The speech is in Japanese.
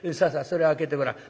それ開けてごらん」。